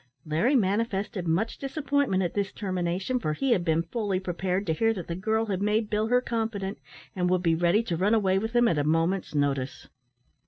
Larry manifested much disappointment at this termination, for he had been fully prepared to hear that the girl had made Bill her confidant, and would be ready to run away with him at a moment's notice.